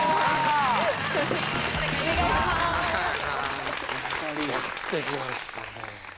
お二人やってきましたね